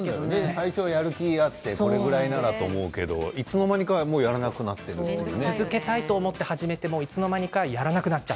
最初はやる気があってこれくらいならと思うけどいつの間にかやらなくなっているよね。